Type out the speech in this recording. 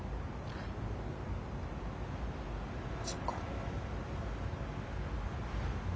そっか。